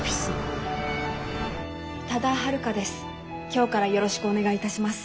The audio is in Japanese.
今日からよろしくお願いいたします。